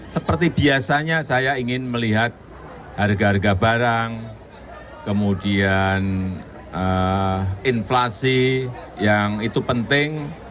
seperti biasanya saya ingin melihat harga harga barang kemudian inflasi yang itu penting